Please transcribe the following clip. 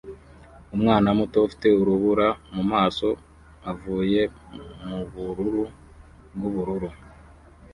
Umwana muto ufite urubura mumaso avuye mubururu bwubururu